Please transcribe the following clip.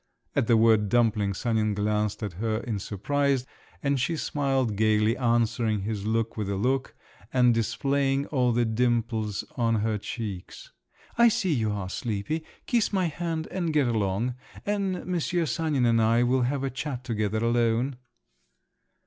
(At the word "dumpling" Sanin glanced at her in surprise, and she smiled gaily, answering his look with a look, and displaying all the dimples on her cheeks.) "I see you are sleepy; kiss my hand and get along; and Monsieur Sanin and I will have a chat together alone."